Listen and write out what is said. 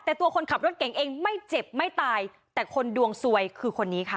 แต่ตัวคนขับรถเก่งเองไม่เจ็บไม่ตายแต่คนดวงสวยคือคนนี้ค่ะ